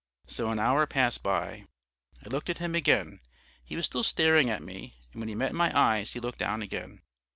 So an hour passed by. I looked at him again: he was still staring at me, and when he met my eyes he looked down again.